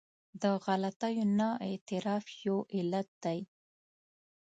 د غلطیو نه اعتراف یو علت دی.